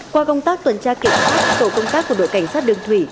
qua công tác tuần tra kiểm soát tổ công tác của đội cảnh sát đường thủy